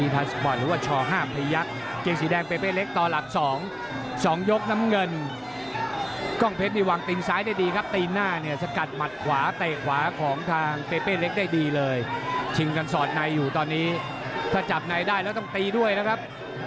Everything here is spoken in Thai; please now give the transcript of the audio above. ถ้าจับในได้แล้วต้องตีด้วยนะครับ